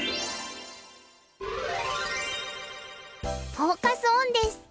フォーカス・オンです。